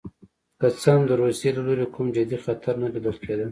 که څه هم د روسیې له لوري کوم جدي خطر نه لیدل کېده.